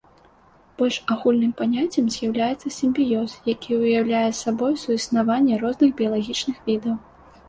Больш агульным паняццем з'яўляецца сімбіёз, які ўяўляе сабой суіснаванне розных біялагічных відаў.